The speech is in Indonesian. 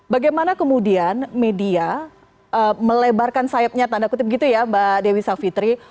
bagaimana kemudian media melebarkan sayapnya tanda kutip gitu ya mbak dewi savitri